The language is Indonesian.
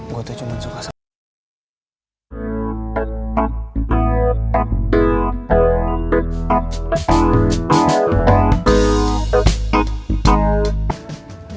gue tuh cuman suka sama cewek lain